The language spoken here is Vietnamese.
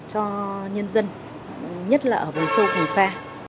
cho nhân dân nhất là ở vùng sâu vùng xa